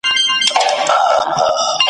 یو لوی ډنډ وو تر سایو د ونو لاندي ,